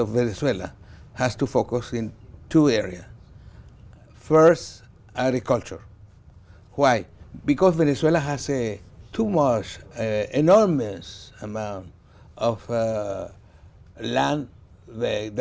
venezuela có thể tham gia một mùa hè